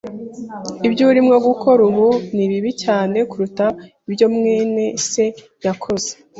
Ibyo urimo gukora ubu ni bibi cyane kuruta ibyo mwene se yakoze.